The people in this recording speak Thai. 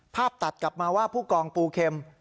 ตัดกลับมาว่าผู้กองปูเข็ม